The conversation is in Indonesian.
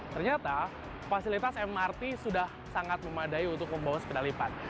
ternyata fasilitas mrt sudah sangat memadai untuk membawa sepeda lipat